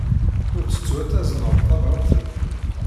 Ur ttettu ad tazneḍ tabṛat-nni.